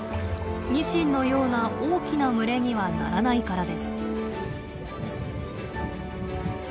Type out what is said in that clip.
ニシンのような大きな群れにはならないからです。